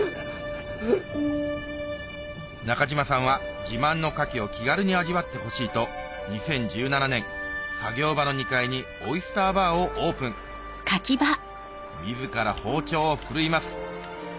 中嶋さんは自慢のカキを気軽に味わってほしいと２０１７年作業場の２階にオイスターバーをオープン自ら包丁を振るいます